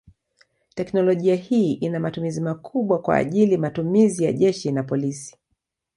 Teknolojia hii ina matumizi makubwa kwa ajili matumizi ya jeshi na polisi.